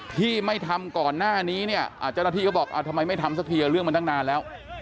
ที่ไม่ทำก่อนหน้านี้เนี่ยเจ้าหน้าที่ก็บอกทำไมไม่ทำสักทีเรื่องมันตั้งนานแล้ว